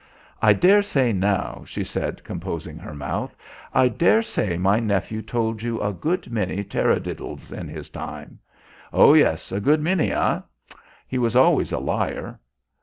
"I dare say, now," she said, composing her mouth, "I dare say my nephew told you a good many tarradiddles in his time. Oh, yes, a good many, eh? He was always a liar.